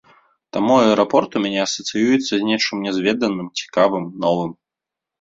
Таму аэрапорт у мяне асацыюецца з нечым нязведаным, цікавым, новым.